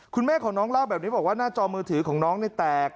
คุณแม่ของน้องเล่าแบบนี้บอกว่าหน้าจอมือถือของน้องนี่แตก